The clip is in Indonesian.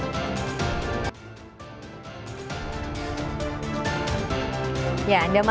jangan kemana mana kami masih akan kembali setelah pariwara berikut